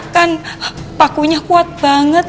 kan pakunya kuat banget